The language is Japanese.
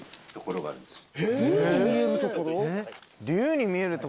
龍に見える所？